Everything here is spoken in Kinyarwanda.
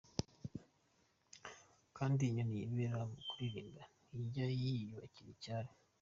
Kandi inyoni yibera mu kuririmba ntijya yiyubakira icyari.